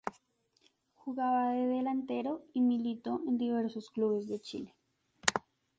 Jugaba de delantero y militó en diversos clubes de Chile.